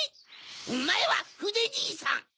オマエはふでじいさん！